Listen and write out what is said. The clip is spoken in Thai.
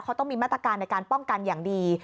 เขาต้องมีมาตรการในการป้องกันอย่างดี